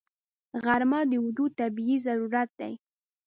غرمه د وجود طبیعي ضرورت دی